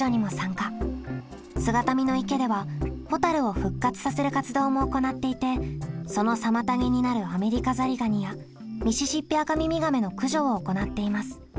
姿見の池ではホタルを復活させる活動も行っていてその妨げになるアメリカザリガニやミシシッピアカミミガメの駆除を行っています。